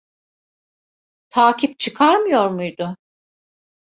Takip çıkarmıyor muydu?